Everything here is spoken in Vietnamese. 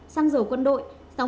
xăng dầu quân đội sáu mươi bốn ba